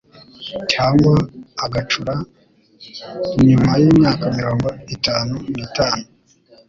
cyangwa agacura nyuma y'imyaka mirogo itanu nitanu